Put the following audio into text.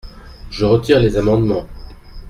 Je retire les amendements.